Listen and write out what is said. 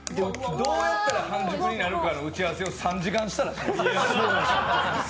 どうやったら半熟になるかの打ち合わせを３時間やりました。